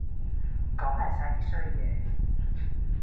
講埋哂啲衰嘢